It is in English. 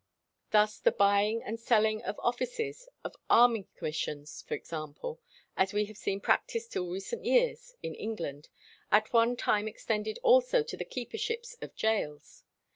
Thus the buying and selling of offices, of army commissions, for instance, as we have seen practised till recent years in England, at one time extended also to the keeperships of gaols.